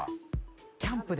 キャンプで。